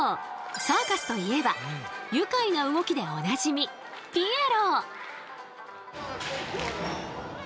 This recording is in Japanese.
サーカスといえば愉快な動きでおなじみピエロ！